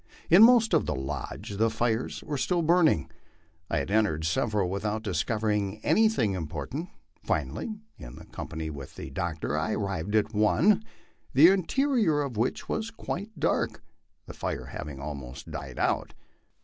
In most of the lodges the fires were still burning. I had entered several without discovering anything im portant. Finally, in company with the doctor, I arrived at one, the interior of which was quite dark, the fire having almost died out.